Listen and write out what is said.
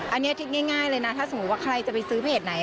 อันนี้คิดง่ายเลยนะถ้าสมมุติว่าใครจะไปซื้อเพจไหน